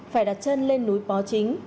phải đặt chân lên núi pó chính